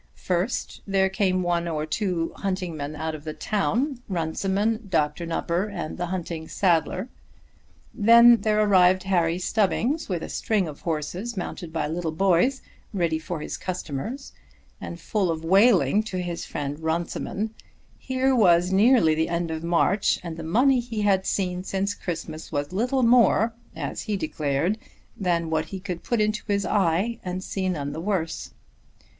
First there came one or two hunting men out of the town, Runciman, Dr. Nupper, and the hunting saddler. Then there arrived Henry Stubbings with a string of horses, mounted by little boys, ready for his customers, and full of wailing to his friend Runciman. Here was nearly the end of March and the money he had seen since Christmas was little more, as he declared, than what he could put into his eye and see none the worse.